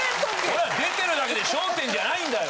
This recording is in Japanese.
俺は出てるだけで『笑点』じゃないんだよ。